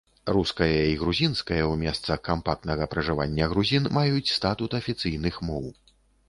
Руская і грузінская ў месцах кампактнага пражывання грузін маюць статут афіцыйных моў.